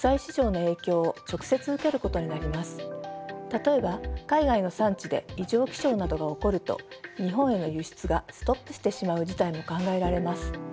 例えば海外の産地で異常気象などが起こると日本への輸出がストップしてしまう事態も考えられます。